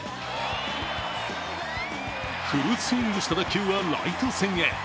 フルスイングした打球はライト線へ。